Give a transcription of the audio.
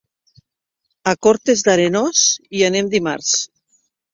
A Cortes d'Arenós hi anem dimarts.